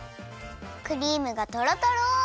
クリームがとろとろ！